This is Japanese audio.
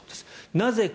なぜか。